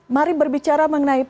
mari berbicara mengenai